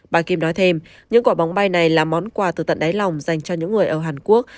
bà kim nói thêm những quả bóng bay này là món quà từ tận đáy lòng dành cho những người ở hàn quốc